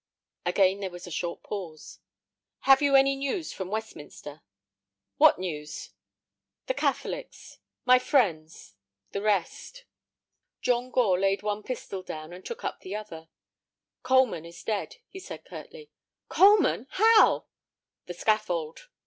Again there was a short pause. "Have you any news from Westminster?" "What news?" "The Catholics, my friends—the rest." John Gore laid one pistol down and took up the other. "Coleman is dead," he said, curtly. "Coleman! How?" "The scaffold."